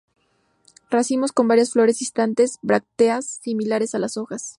Racimos con varias flores distantes; brácteas similares a las hojas.